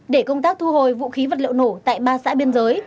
để công tác thu hồi vũ khí vật liệu nổ tại ba xã biên giới